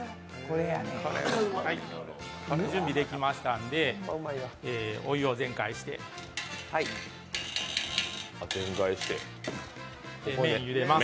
準備できましたんで、お湯を返して麺、入れます。